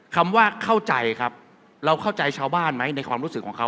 คำว่าเข้าใจครับเราเข้าใจชาวบ้านไหมในความรู้สึกของเขา